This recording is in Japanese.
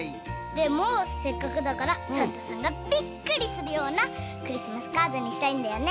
でもせっかくだからサンタさんがびっくりするようなクリスマスカードにしたいんだよね。